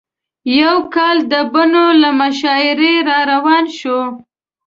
یو کال د بنو له مشاعرې راروان شوو.